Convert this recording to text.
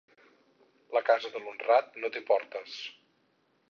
La casa de l'honrat no té portes.